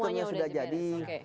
sistemnya sudah jadi